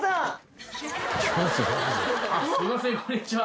すいませんこんにちは。